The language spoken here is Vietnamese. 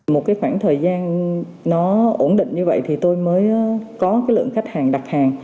một khoảng thời gian nó ổn định như vậy thì tôi mới có lượng khách hàng đặt hàng